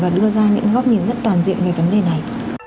và đưa ra những góp nhìn rất toàn diện về vấn đề này